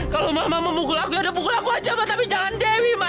kalau mama mau pukul aku ya pukul aku aja ma tapi jangan dewi ma